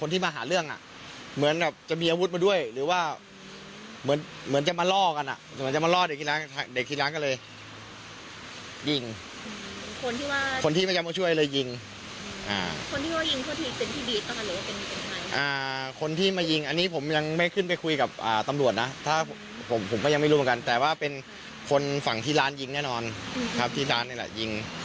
ที่ร้านยิงแน่นอนครับที่ร้านนี่แหละยิง